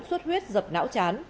suốt huyết dập não chán